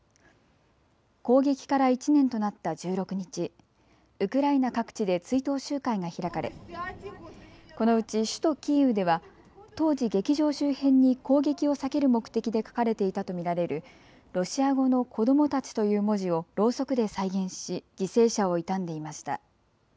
攻撃から１年となった１６日、ウクライナ各地で追悼集会が開かれこのうち首都キーウでは当時、劇場周辺に攻撃を避ける目的で書かれていたと見られるロシア語の子どもたちという文字をろうそくで再現し犠牲者を悼んでいました。